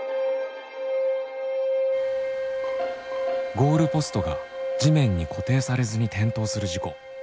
ゴールポストが地面に固定されずに転倒する事故。